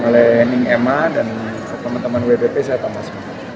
ngelaning emma dan teman teman wbp saya thomas